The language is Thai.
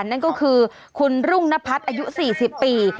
นั่นก็คือคุณรุ่งนพัฒน์อายุ๔๐ปี